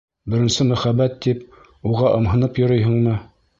Беренсе мөхәббәт тип, уға ымһынып йөрөйһөңмө?